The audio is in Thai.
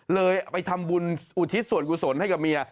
เลยเอาไปทำบุญอุทิศส่วนกุศลให้กับเมีย